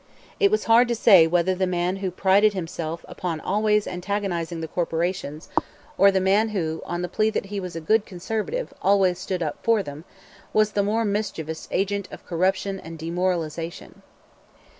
It was hard to say whether the man who prided himself upon always antagonizing the corporations, or the man who, on the plea that he was a good conservative, always stood up for them, was the more mischievous agent of corruption and demoralization.